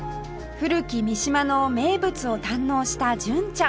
古き三島の名物を堪能した純ちゃん